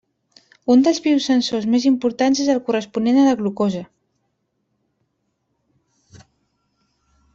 Un dels biosensors més importants és el corresponent a la glucosa.